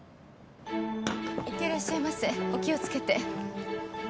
いってらっしゃいませお気を付けて。